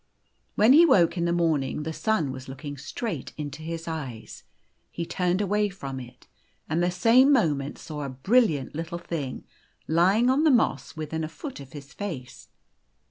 When he woke in the morning the sun was looking straight into his eyes. He turned away from it, and the same moment saw a brilliant little thing lying on the moss within, a foot of his face.